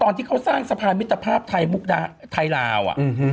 ตอนที่เขาสร้างสะพานมิตรภาพไทยมุกไทยลาว